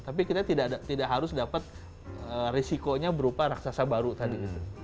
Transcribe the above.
tapi kita tidak harus dapat risikonya berupa raksasa baru tadi